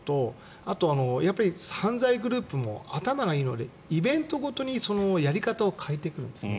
あと犯罪グループも頭がいいのでイベントごとにやり方を変えていくんですね。